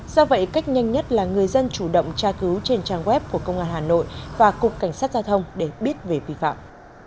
do vậy cách nhanh nhất là người dân chủ động tra cứu trên trang web của công an hà nội và cục cảnh sát giao thông để biết về vi phạm